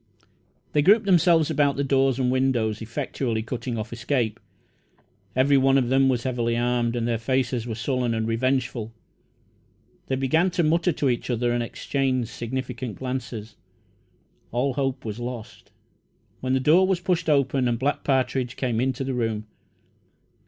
They grouped themselves about the doors and windows, effectually cutting off escape. Every one of them was heavily armed, and their faces were sullen and revengeful. They began to mutter to each other and exchange significant glances. All hope was lost, when the door was pushed open and Black Partridge came into the room.